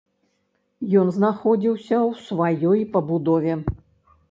Ён знаходзіўся ў сваёй пабудове.